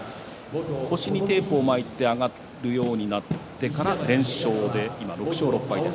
腰にテープを巻いて上がるようになってから連勝で今、６勝６敗です。